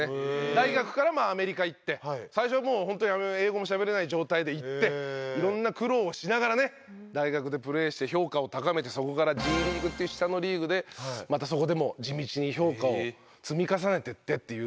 大学からアメリカ行って最初はもう本当に英語もしゃべれない状態で行っていろんな苦労をしながらね大学でプレーして評価を高めてそこからＧリーグっていう下のリーグでまたそこでも地道に評価を積み重ねていってっていう。